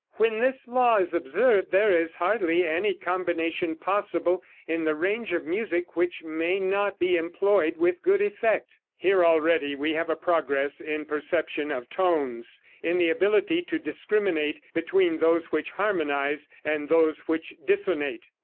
When this law is observed there is hardly any combination possible in the range of music which may not be employed with good effect. Here already we have a progress in perception of tones, in the ability to discriminate between those which harmonize and those which dissonate.